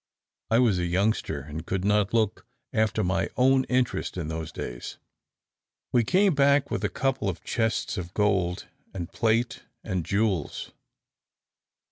I was a youngster, and could not look after my own interests in those days. We came back with a couple of chests of gold, and plate, and jewels.